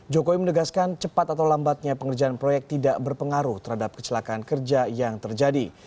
jokowi menegaskan cepat atau lambatnya pengerjaan proyek tidak berpengaruh terhadap kecelakaan kerja yang terjadi